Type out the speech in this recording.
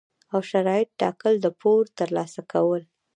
او شرایط ټاکل، د پور ترلاسه کول،